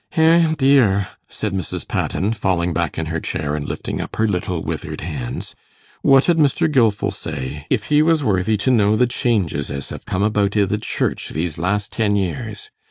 'Eh, dear,' said Mrs. Patten, falling back in her chair, and lifting up her little withered hands, 'what 'ud Mr. Gilfil say, if he was worthy to know the changes as have come about i' the Church these last ten years?